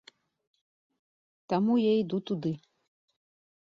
Таму я іду туды.